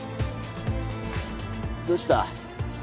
どうした？